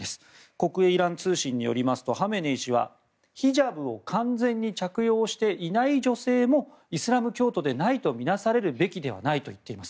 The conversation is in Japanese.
国営イラン通信によりますとハメネイ師はヒジャブを完全に着用していない女性もイスラム教徒でないと見なされるべきではないと言っています。